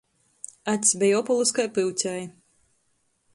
Acs beja opolys kai pyucei.